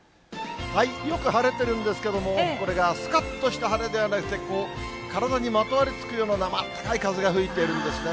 よく晴れてるんですけども、これがすかっとした晴れではなくて、こう体にまとわりつくような生あたたかい風が吹いてるんですね。